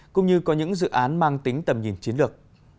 cũng như có những dự án mang tính tầm nhìn chiến lược